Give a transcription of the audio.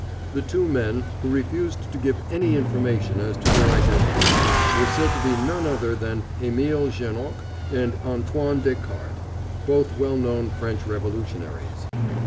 The two men, who refused to give any information as to their identity, were said to be none other than Emile Janoc and Antoine Descartes, both well known French revolutionaries.